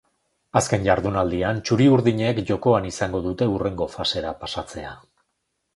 Azken jardunaldian txuri-urdinek jokoan izango dute hurrengo fasera pasatzea.